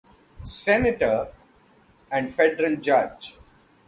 Senator, and federal judge.